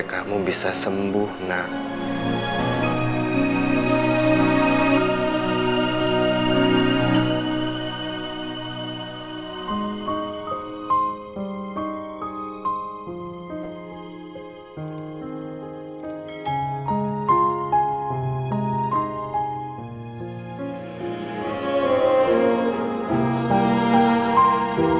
kamu akan lelaki